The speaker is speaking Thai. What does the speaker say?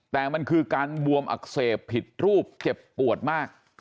แต่มันคือการบวมอักเสบผิดรูปเจ็บปวดมาก